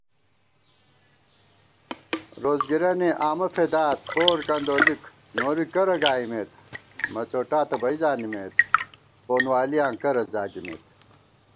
روڅگِرَنےآمہ فېدات پور کندولِک نوری کرہ گائیمېت * مڅوٹاں تہ بئ زانِمېت پونوالِیاں کرہ زاگِمېت